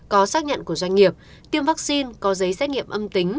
có xác nhận của doanh nghiệp tiêm vaccine có giấy xét nghiệm âm tính